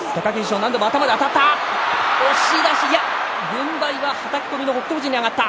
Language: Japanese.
軍配は、はたき込みの北勝富士に上がった。